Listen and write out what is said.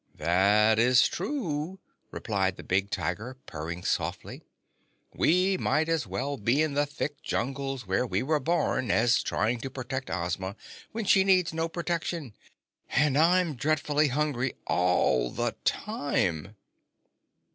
"That is true," replied the big Tiger, purring softly. "We might as well be in the thick jungles where we were born, as trying to protect Ozma when she needs no protection. And I'm dreadfully hungry all the time."